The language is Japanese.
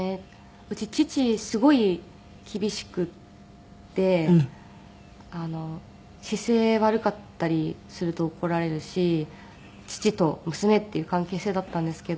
うち父すごい厳しくて姿勢悪かったりすると怒られるし父と娘っていう関係性だったんですけど。